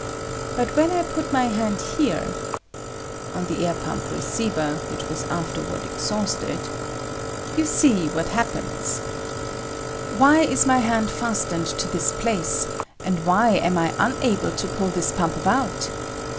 But when I put my hand here [on the air pump re: ceiver, which was afberward exhausted] you see what happens. Why is my hand fastened to this place, and why am I able to pull this pump about?